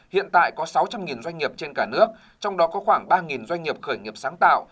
hiện tại có sáu trăm linh doanh nghiệp trên cả nước trong đó có khoảng ba doanh nghiệp khởi nghiệp sáng tạo